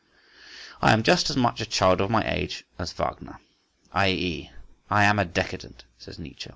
"I am just as much a child of my age as Wagner—i.e., I am a decadent," says Nietzsche.